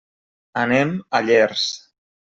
Anem a Llers.